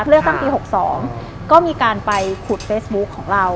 เลือกตั้งปี๖๒ก็มีการไปขุดเฟซบุ๊คของเรา